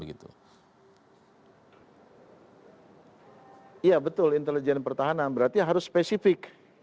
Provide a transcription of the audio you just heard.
iya betul intelijen pertahanan berarti harus spesifik